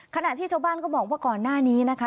ขณะที่ชาวบ้านก็บอกว่าก่อนหน้านี้นะคะ